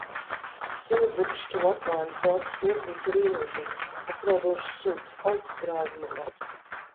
Suņuburkšķi, latvāņi, zelta slotiņas ir invazīvas, apdraudošas sugas. Aug grāvjmalās.